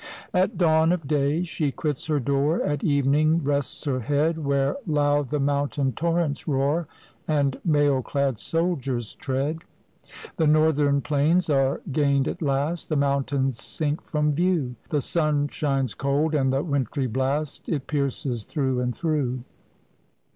At dawn of day she quits her door, At evening rests her head Where loud the mountain torrents roar And mail clad soldiers tread. The northern plains are gained at last, The mountains sink from view; The sun shines cold, and the wintry blast It pierces through and through.